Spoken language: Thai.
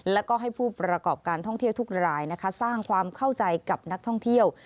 แล้วก็ให้ผู้ประกอบการท่องเที่ยวทุกรายสร้างความเข้าใจกับนักท่องเที่ยว